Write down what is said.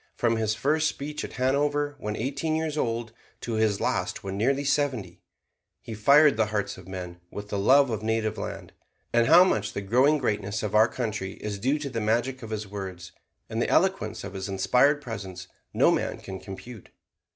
From his first speech at Hanover when eighteen years old, to his last when nearly seventy, he fired the hearts of men with the love of native land. And how much the growing greatness of our country is due to the magic of his words and the eloquence of his inspired presence no man can compute.